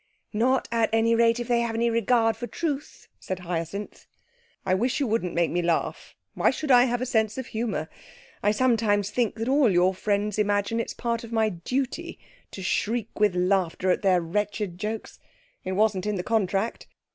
'Not, at any rate, if they have any regard for truth,' said Hyacinth. 'I wish you wouldn't make me laugh. Why should I have a sense of humour? I sometimes think that all your friends imagine it's part of my duty to shriek with laughter at their wretched jokes. It wasn't in the contract.